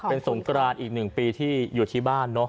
เป็นสงกรานอีก๑ปีที่อยู่ที่บ้านเนอะ